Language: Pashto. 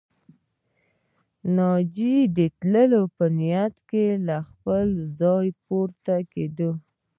ناجيه د تلو په نيت له خپله ځايه پورته کېده